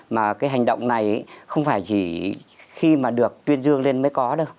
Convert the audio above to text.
mà cái hành động này không phải chỉ khi mà được tuyên dương lên mới có đâu